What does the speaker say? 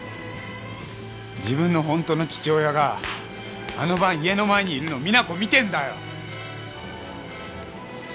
自分の本当の父親があの晩家の前にいるのを実那子見てんだよ！